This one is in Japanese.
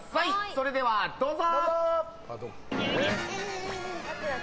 それでは、どうぞ！